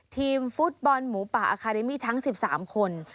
ทีมฟุตบอลหมูป่าอาคาเดมี่ทั้ง๑๓คน